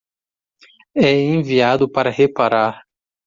É enviado para reparar